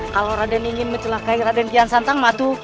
kalau raden ingin mencelakai raden kian santang matu